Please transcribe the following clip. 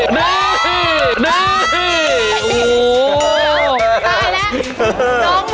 มันตายละ